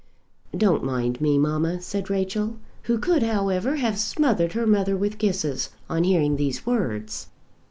"Don't mind me, mamma," said Rachel, who could, however, have smothered her mother with kisses, on hearing these words.